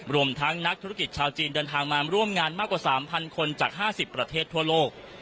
รวมทั้งนักธุรกิจชาวจีนเดินทางมาร่วมงานมากกว่า๓๐๐คนจาก๕๐ประเทศทั่วโลก